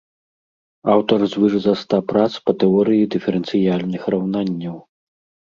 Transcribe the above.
Аўтар звыш за ста прац па тэорыі дыферэнцыяльных раўнанняў.